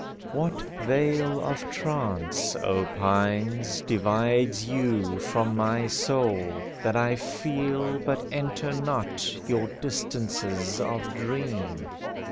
What veil of trance, O pines, Divides you from my soul, That I feel but enter not Your distances of dream?